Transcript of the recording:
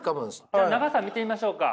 じゃ長さ見てみましょうか。